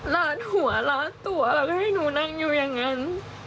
ลาดหัวลาดตัวแล้วก็ให้หนูนั่งอยู่อย่างนั้น